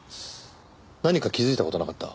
何か気づいた事なかった？